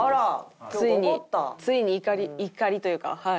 ついに怒りというかはい。